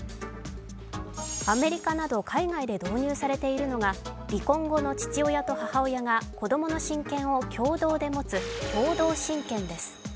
アメリカなど海外で導入されているのが離婚後の父親と母親が子供の親権を共同で持つ共同親権です。